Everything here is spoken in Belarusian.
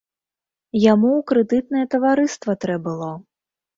Яму ў крэдытнае таварыства трэ было.